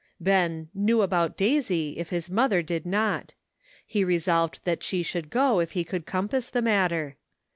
Ben " knew about Daisy " if his mother did not ; he resolved that she should go if he could compass the matter.